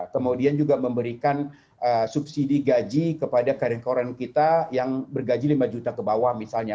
kemudian juga memberikan subsidi gaji kepada karyawan karyawan kita yang bergaji lima juta ke bawah misalnya